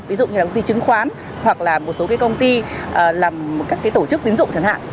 ví dụ như là công ty chứng khoán hoặc là một số công ty làm các tổ chức tín dụng chẳng hạn